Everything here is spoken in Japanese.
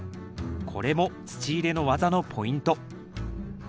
これも土入れの技のポイント。